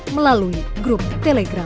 melalui grup telegram